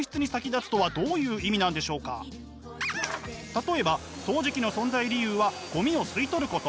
例えば掃除機の存在理由はごみを吸い取ること。